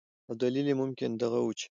او دلیل یې ممکن دغه ؤ چې